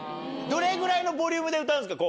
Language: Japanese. どれぐらいのボリュームで歌うんですか？